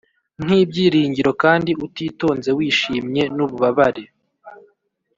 nk, ibyiringiro kandi utitonze, wishimye nububabare